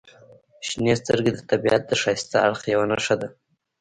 • شنې سترګې د طبیعت د ښایسته اړخ یوه نښه ده.